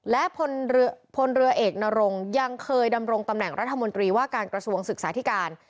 และพลเรือเอกนรงยังเคยดำรงตำแหน่งรัฐมนตรีว่าการกระทรวงศึกษาธิการ